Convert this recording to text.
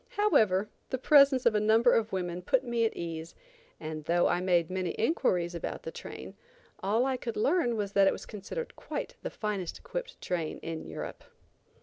However, the presence of a number of women put me at ease, and though I made many inquiries about the train, all I could learn was that it was considered quite the finest equipped train in Europe.